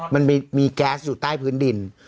มันมีแก๊สอยู่ตะอยู่ด้านพื้นดิน